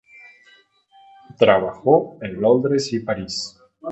Trabajó en Londres y en París.